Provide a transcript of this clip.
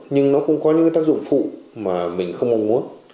nhưng nó cũng có những tác dụng phụ mà mình không mong muốn